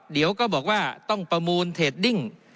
เดี๋ยวก็บอกว่าต้องประมูลเทดดิ้ง